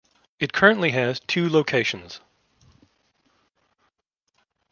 It currently has two locations.